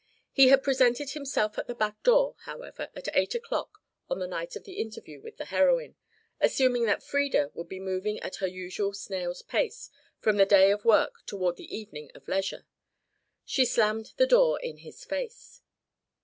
He had presented himself at the back door, however, at eight o'clock on the night of the interview with the heroine, assuming that Frieda would be moving at her usual snail's pace from the day of work toward the evening of leisure. She slammed the door in his face.